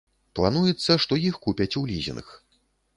Плануецца, што іх купяць у лізінг.